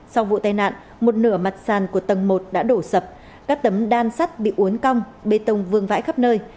sau vụ tai nạn một nửa mặt sàn của tầng một đã đổ sập các tấm đan sắt bị uốn cong bê tông vương vãi khắp nơi